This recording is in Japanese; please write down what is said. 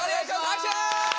拍手！